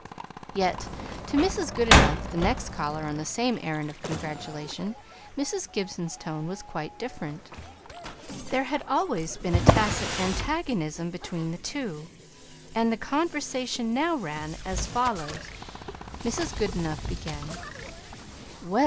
Yet to Mrs. Goodenough, the next caller on the same errand of congratulation, Mrs. Gibson's tone was quite different. There had always been a tacit antagonism between the two, and the conversation now ran as follows: Mrs. Goodenough began, "Well!